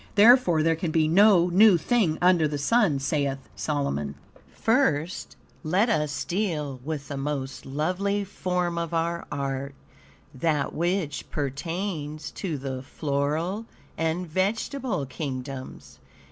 Therefore, there can be "no new thing under the sun," saith Solomon. First, let us deal with the most lovely form of our art, that which pertains to the floral and vegetable kingdoms.